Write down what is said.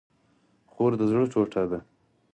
خور د زړه ټوټه ده